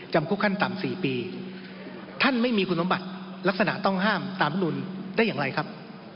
คุกขั้นต่ำ๔ปีท่านไม่มีคุณสมบัติลักษณะต้องห้ามตามลำนุนได้อย่างไรครับ